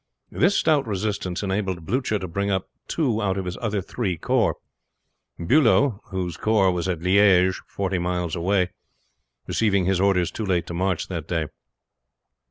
This stout resistance enabled Blucher to bring up two out of his other three corps, Bulow, whose corps was at Liege, forty miles away, receiving his orders too late to march that day.